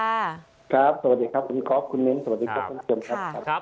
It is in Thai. สวัสดีครับคุณครอฟคุณนิ้นสวัสดีครับ